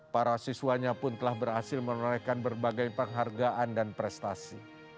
para siswanya pun telah berhasil menorehkan berbagai penghargaan dan prestasi